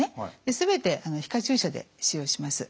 全て皮下注射で使用します。